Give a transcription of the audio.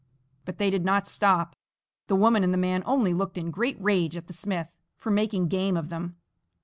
But they did not stop. The woman and the man only looked in great rage at the smith for making game of them.